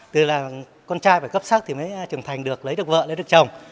và con trai phải cấp sắc thì mới trưởng thành được lấy được vợ lấy được chồng